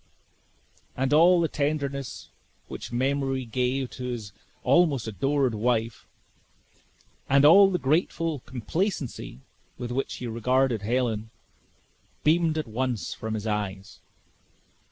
And all the tenderness which memory gave to his almost adored wife, and all the grateful complacency with which he regarded Helen, beamed at once from his eyes.